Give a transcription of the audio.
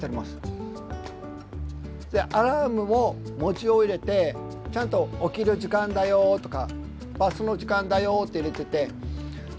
アラームも文字を入れてちゃんと「起きる時間だよ」とか「バスの時間だよ」って入れててそしてバスに乗り込む。